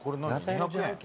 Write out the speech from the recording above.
２００円？